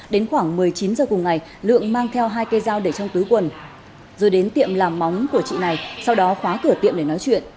đến khoảng một mươi chín h cùng ngày lượng mang theo hai cây dao để trong tứ quần rồi đến tiệm làm móng của chị này sau đó khóa cửa tiệm để nói chuyện